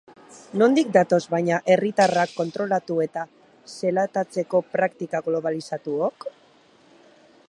Nondik datoz baina herriatarrak kontrolatu eta zelatatzeko praktika globalizatuok?